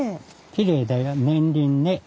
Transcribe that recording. きれいだよ。年輪ね。